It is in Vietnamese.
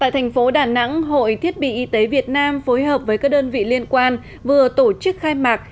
tại thành phố đà nẵng hội thiết bị y tế việt nam phối hợp với các đơn vị liên quan vừa tổ chức khai mạc